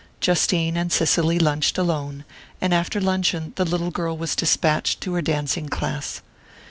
Justine and Cicely lunched alone, and after luncheon the little girl was despatched to her dancing class.